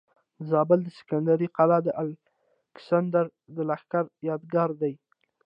د زابل د سکندرۍ قلا د الکسندر د لښکر یادګار دی